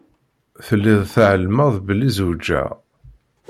Telliḍ tεelmeḍ belli zewǧeɣ.